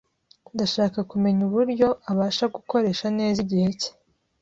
Ndashaka kumenya uburyo abasha gukoresha neza igihe cye.